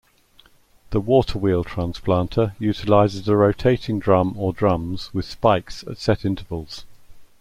The waterwheel transplanter utilizes a rotating drum or drums with spikes at set intervals.